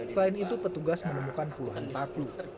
selain itu petugas menemukan puluhan paku